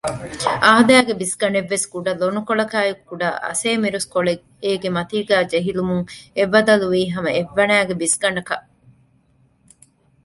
އާދައިގެ ބިސްގަނޑެއްވެސް ކުޑަ ލޮނުކޮޅަކާއި ކުޑަ އަސޭމިރުސްކޮޅެއް އޭގެ މަތީގައި ޖެހިލުމުން އެ ބަދަލުވީ ހަމަ އެއްވަނައިގެ ބިސްގަނޑަކަށް